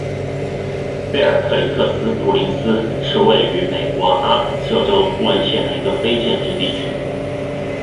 贝尔克里克斯普林斯是位于美国阿肯色州布恩县的一个非建制地区。